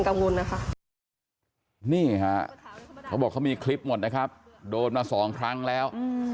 เขาบอกเค้ามีคลิปหมดนะครับโดนมา๒ครั้งแล้ว